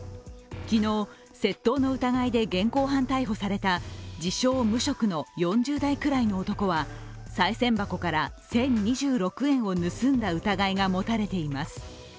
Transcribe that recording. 昨日、窃盗の疑いで現行犯逮捕された自称・無職の４０代くらいの男はさい銭箱から１０２６円を盗んだ疑いが持たれています。